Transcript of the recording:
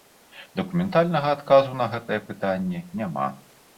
Дакументальнага адказу на гэтае пытанне няма.